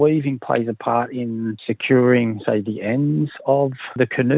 weaving memiliki bagian besar dalam memperlindungi seluruh kanu